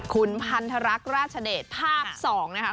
คุณพันธรรคราชเดชภาพ๒นะคะ